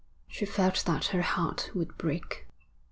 She felt that her heart would break.